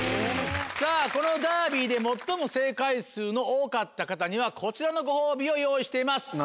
さぁこのダービーで最も正解数の多かった方にはこちらのご褒美を用意しています。